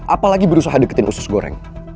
apalagi berusaha deketin usus goreng